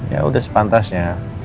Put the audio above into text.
ya udah sepantasnya